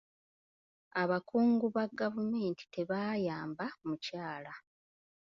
Abakungu ba gavumenti tebaayamba mukyala .